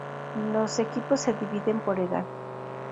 Los equipos se dividen por edad.